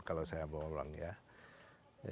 kalau saya bawa ulang ya